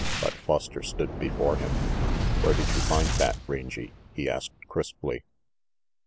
But Foster stood before him. "Where did you find that, Rangy?" he asked crisply.